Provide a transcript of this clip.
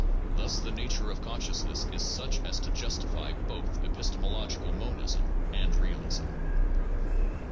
Thus the nature of consciousness is such as to justify both epistemological monism and realism.